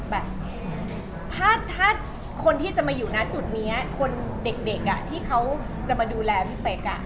แบบถ้าคนที่จะมาอยู่นะจุดนี้คนเด็กที่เขาจะมาดูแลพี่เป๊ก